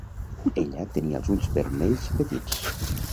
Ella tenia els ulls vermells i petits.